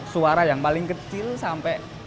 suara yang paling kecil sampai